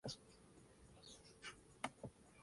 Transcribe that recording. Colaboró en diversas revistas europeas y argentinas.